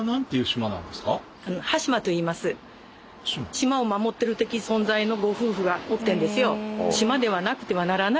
島を守ってる的存在のご夫婦がおってんですよ。